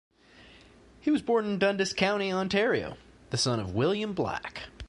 He was born in Dundas County, Ontario, the son of William Black.